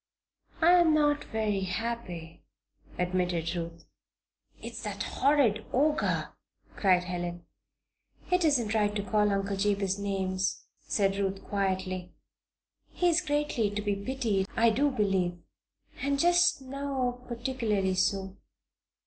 "I am not very happy," admitted Ruth. "It's that horrid Ogre!" cried Helen. "It isn't right to call Uncle Jabez names," said Ruth, quietly. "He is greatly to be pitied, I do believe. And just now, particularly so."